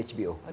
oh di hbo